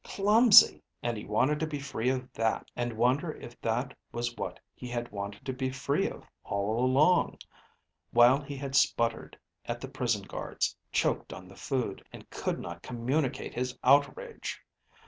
Clumsy! And he wanted to be free of that! And wonder if that was what he had wanted to be free of all along while he had sputtered at the prison guards, choked on the food, and could not communicate his outrage.